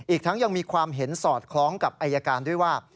อีกทั้งยังมีความเห็นสอดคล้องกับอายการด้วยว่า